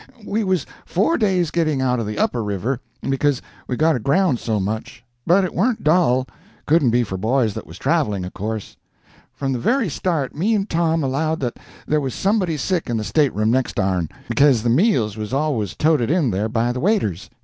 We was four days getting out of the "upper river," because we got aground so much. But it warn't dull—couldn't be for boys that was traveling, of course. From the very start me and Tom allowed that there was somebody sick in the stateroom next to ourn, because the meals was always toted in there by the waiters.